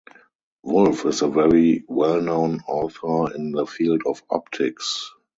Wolf is a very well known author in the field of optics.